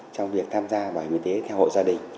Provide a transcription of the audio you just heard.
trong việc tham gia bài viên tế theo hộ gia đình